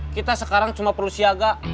kita sekarang cuma perlu siaga